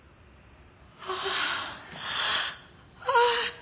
ああああ！